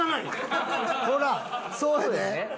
ほらそうやね。